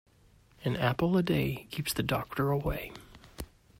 An apple a day keeps the doctor away.